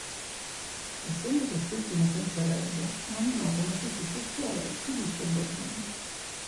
Essendo quest'ultimo senza erede nominò come suo successore Filippo Borbone.